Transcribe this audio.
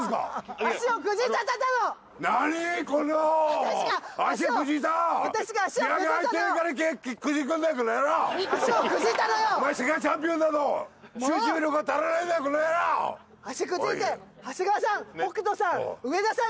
足くじいて長谷川さん北斗さん